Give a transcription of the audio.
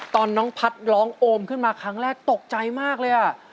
ตอนน้องพัฒน์ร้องโอมขึ้นมาครั้งแรกตกใจมากเลยอ่ะ